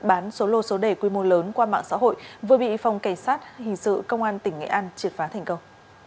bán số lô số đề quy mô lớn qua mạng xã hội vừa bị phòng cảnh sát hình sự công an tỉnh nghệ an triệt phá thành công